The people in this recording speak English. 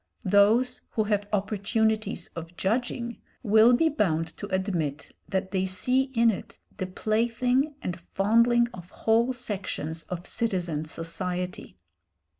Those who have opportunities of judging, will be bound to admit that they see in it the plaything and fondling of whole sections of citizen society.